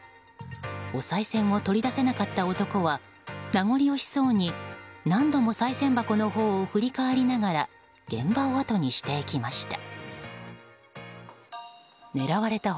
おさい銭を取り出せなかった男は名残惜しそうに何度もさい銭箱のほうを振り返りながら現場をあとにしていきました。